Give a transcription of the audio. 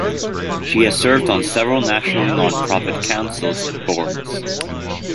She has served on several national nonprofit councils and boards.